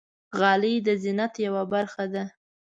غلۍ د زینت یوه برخه ده.